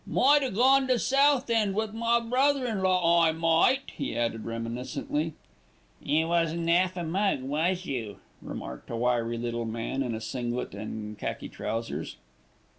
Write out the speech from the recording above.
"Might a gone to Southend with my brother in law, I might," he added reminiscently. "You wasn't 'alf a mug, was you?" remarked a wiry little man in a singlet and khaki trousers.